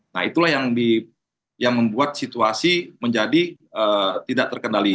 nah itulah yang membuat situasi menjadi tidak terkendali